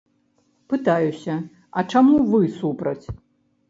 Пытаюся, а чаму вы супраць?